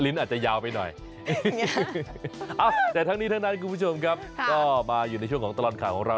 ในประเทศไทยเข้ายร้อนกันแบบไหนครับ